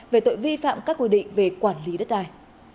về tội vi phạm các quy định về quản lý đất đai